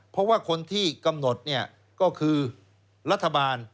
เพราะว่าคนที่กำหนดเนี่ยก็คือรัฐบาล